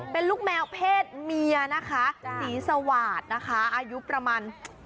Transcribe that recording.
เป็นลูกแมวเพศเมียนะคะศรีสวาสนะคะอายุประมาณ